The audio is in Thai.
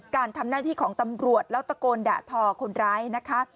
การทำหน้าที่ของตำรวจแล้วตะโกนด่าทอคนร้ายนะคะ